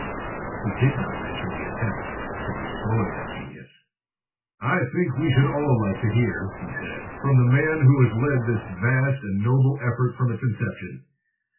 He did not mention the attempts to destroy that genius. "I think we should all like to hear," he said, "from the man who has led this vast and noble effort from its inception.